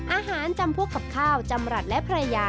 อาหารจำพวกกับข้าวจำรัดและพรายา